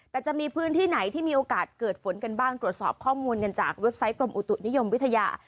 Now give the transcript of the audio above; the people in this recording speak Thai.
แต่จะมีพื้นที่ไหนที่มีโอกาสเกิดฝนกันบ้างตรวจสอบข้อมูลกันจากเว็บไซต์กรมอุตุนิยมวิทยา